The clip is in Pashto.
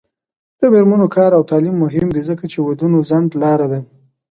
د میرمنو کار او تعلیم مهم دی ځکه چې ودونو ځنډ لاره ده.